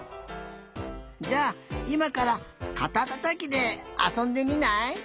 じゃあいまからかたたたきであそんでみない？